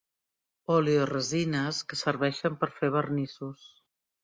Oleoresines que serveixen per fer vernissos.